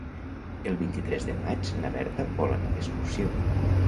El vint-i-tres de maig na Berta vol anar d'excursió.